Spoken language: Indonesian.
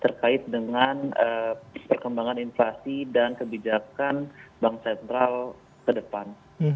terkait dengan perkembangan inflasi dan kebijakan bank sentral ke depan